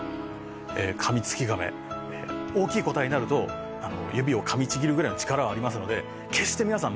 カミツキガメ大きい個体になると指を噛みちぎるぐらいの力はありますので。